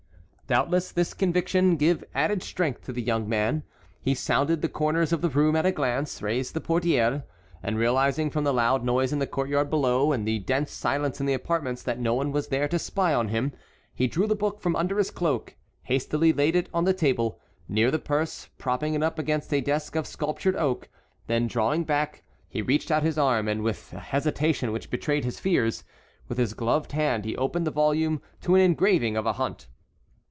Doubtless this conviction gave added strength to the young man. He sounded the corners of the room at a glance, raised the portieres, and realizing from the loud noise in the court yard below and the dense silence in the apartments that no one was there to spy on him, he drew the book from under his cloak, hastily laid it on the table, near the purse, propping it up against a desk of sculptured oak; then drawing back, he reached out his arm, and, with a hesitation which betrayed his fears, with his gloved hand he opened the volume to an engraving of a hunt.